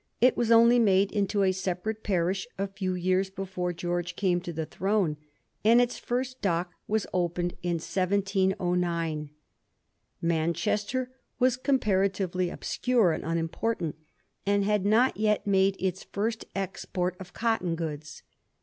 It was only made into a separate parish a few years before George came to the throne, and its first dock was opened in 1709. Manchester was comparatively obscure and unimportant, and had not yet made its first export of cotton goods.